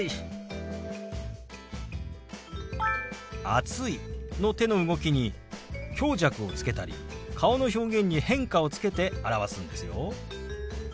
「暑い」の手の動きに強弱をつけたり顔の表現に変化をつけて表すんですよ。